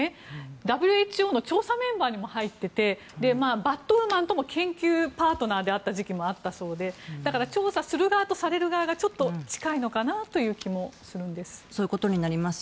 ＷＨＯの調査メンバーにも入っていてバットウーマンとも研究パートナーであった時期もあったそうでだから、調査する側とされる側が近いのかなという気もするんです。